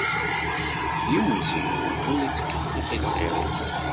Yiwen seg-wen ur ittkellix i lɣir-is.